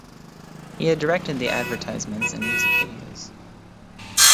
He had directed the advertisements and music videos.